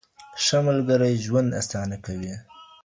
ښه ملګری ژوند اسانه کوي